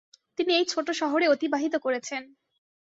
তিনি এই ছোট শহরে অতিবাহিত করেছেন।